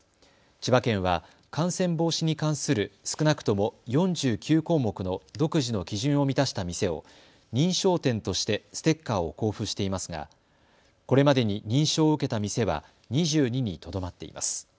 千葉県は感染防止に関する少なくとも４９項目の独自の基準を満たした店を認証店としてステッカーを交付していますがこれまでに認証を受けた店は２２にとどまっています。